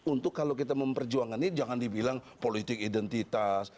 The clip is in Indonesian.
untuk kalau kita memperjuangkan ini jangan dibilang politik identitas